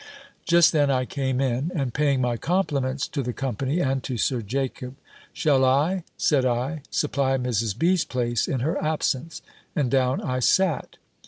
Just then I came in, and paying my compliments to the company, and to Sir Jacob "Shall I," said I, "supply Mrs. B.'s place in her absence?" And down I sat.